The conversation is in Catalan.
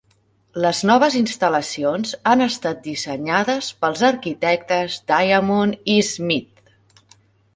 Les noves instal·lacions han estat dissenyades pels arquitectes Diamond i Smith.